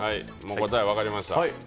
答え分かりました。